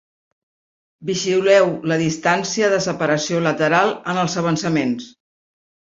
Vigileu la distància de separació lateral en els avançaments.